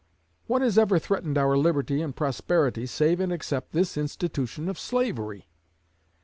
What has ever threatened our liberty and prosperity, save and except this institution of slavery?